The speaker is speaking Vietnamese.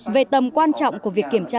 về tầm quan trọng của việc kiểm tra